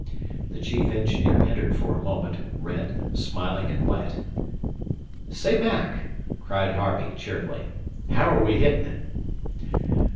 The chief engineer entered for a moment, red, smiling, and wet. "Say, Mac," cried Harvey cheerfully, "how are we hitting it?"